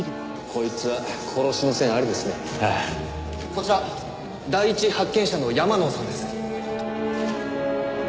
こちら第一発見者の山野さんです。